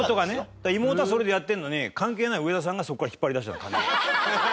だから妹はそれでやってるのに関係ない上田さんがそこから引っ張り出してたの金を。